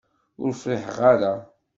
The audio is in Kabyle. Ur friḥeɣ ara.